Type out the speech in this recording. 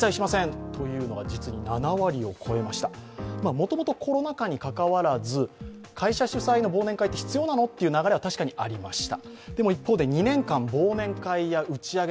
もともとコロナ禍にかかわらず会社主催の忘年会って必要なの？という流れは確かにありました。